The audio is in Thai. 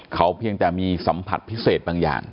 เขาเพียงแต่มีสัมผัสพิเศษบางอย่าง